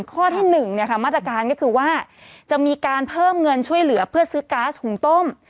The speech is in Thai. ข้อที่๑มาตรการก็คือว่าจะมีการเพิ่มเงินช่วยเหลือเพื่อซื้อก๊าซหุงต้ม